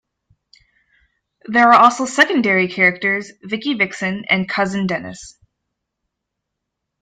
There are also secondary characters "Vickie Vixen" and "Cousin Dennis.